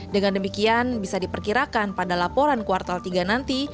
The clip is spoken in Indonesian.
dengan demikian bisa diperkirakan pada laporan kuartal tiga nanti